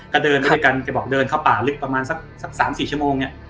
ก็เดินด้วยกันเข้าป่าประมาณสัก๓๔ชม